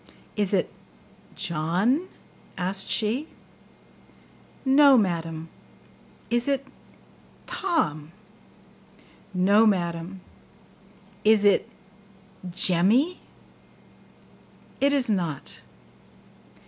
'Is it JOHN?' asked she. 'No, madam!' 'Is it TOM?' 'No, madam!' 'Is it JEMMY?' 'It is not.